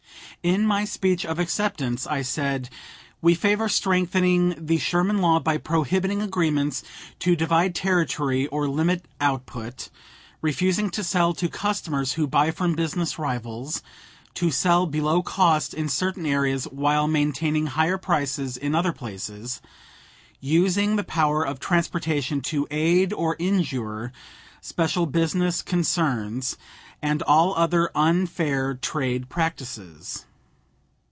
In my speech of acceptance I said: "We favor strengthening the Sherman Law by prohibiting agreements to divide territory or limit output; refusing to sell to customers who buy from business rivals; to sell below cost in certain areas while maintaining higher prices in other places; using the power of transportation to aid or injure special business concerns; and all other unfair trade practices."